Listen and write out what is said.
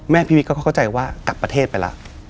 พี่วิทก็เข้าใจว่ากลับประเทศไปแล้ว